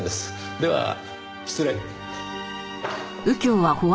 では失礼。